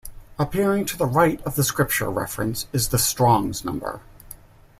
Appearing to the right of the scripture reference is the Strong's number.